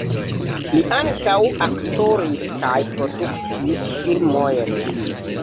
Li ankaŭ aktoris kaj produktis filmojn.